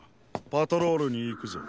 パトロールにいくぞ。